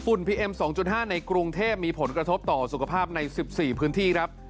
ฝุ่นพีเอ็มสองจุดห้าในกรุงเทพมีผลกระทบต่อสุขภาพในสิบสี่พื้นที่ครับ